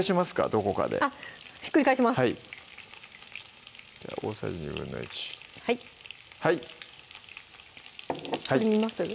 どこかでひっくり返しますはい大さじ１／２はい鶏見ます？